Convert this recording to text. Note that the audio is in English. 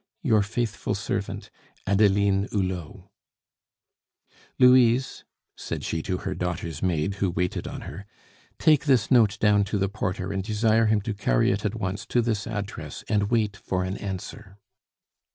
Your faithful servant, "ADELINE HULOT." "Louise," said she to her daughter's maid, who waited on her, "take this note down to the porter and desire him to carry it at once to this address and wait for an answer."